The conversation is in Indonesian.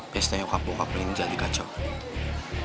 pesta yang kakak kakak pengen jadi kacau